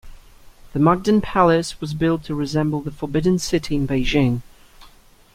The Mukden Palace was built to resemble the Forbidden City in Beijing.